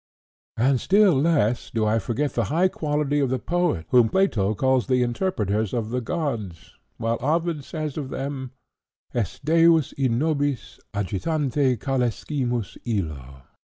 And still less do I forget the high quality of the poets whom Plato calls the interpreters of the Gods, while Ovid says of them— "'Est deus in nobis; agitante calescimus illo.'